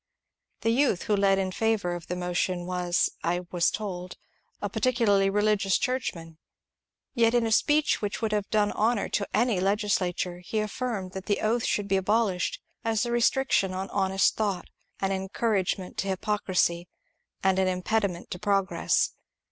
The youth who led in favour of the motion was, I was told, a particularly religious churchman; yet in a speech which would have done honour to any legislature he affirmed that the oath should be abolished as a restriction on honest thought, an encouragement to hypocrisy, and an impediment to progress.